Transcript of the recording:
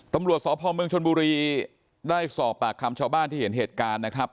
ตำรวจสพเมืองชนบุรีได้สอบปากคำชาวบ้านที่เห็นเหตุการณ์นะครับ